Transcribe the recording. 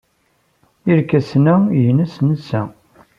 Irkasen-a nnes netta.